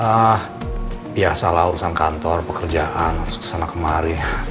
ah biasalah urusan kantor pekerjaan harus kesana kemari